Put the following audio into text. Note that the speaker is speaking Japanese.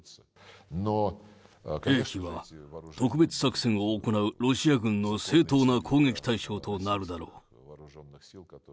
兵器は特別作戦を行うロシア軍の正当な攻撃対象となるだろう。